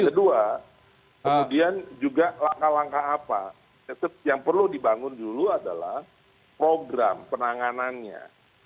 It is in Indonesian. kedua kemudian juga langkah langkah apa yang perlu dibangun dulu adalah program penanganannya